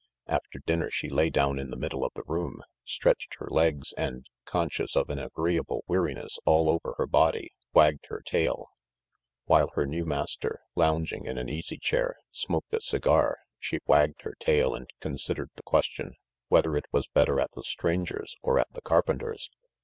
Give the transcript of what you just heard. After dinner she lay down in the middle of the room, stretched her legs and, conscious of an agreeable weariness all over her body, wagged her tail. While her new master, lounging in an easy chair, smoked a cigar, she wagged her tail and considered the question, whether it was better at the stranger's or at the carpenter's.